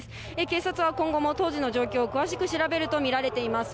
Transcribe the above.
警察は今後も当時の状況を詳しく調べると見られています。